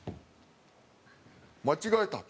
「間違えた」。